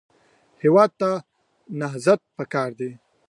هېواد ته نهضت پکار دی